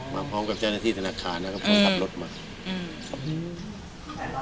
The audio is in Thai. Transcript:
มาพร้อมกับแจ๊นทรีย์ธนาคารพร้อมขับรถมา